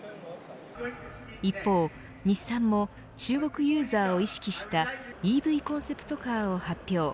一方、日産も中国ユーザーを意識したＥＶコンセプトカーを発表。